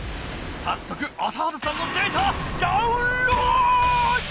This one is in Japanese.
さっそく朝原さんのデータダウンロード！